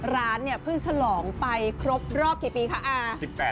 ร้านเพิ่งฉลองไปครบรอบกี่ปีคะ